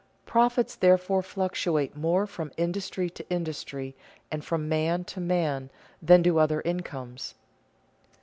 _Profits therefore fluctuate more from industry to industry and from man to man than do other incomes.